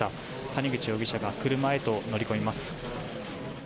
谷口容疑者が車へと乗りこみます。